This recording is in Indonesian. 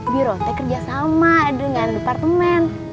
biro te kerja sama dengan departemen